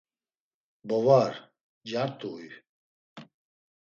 “Bo var! Ncart̆u huy.”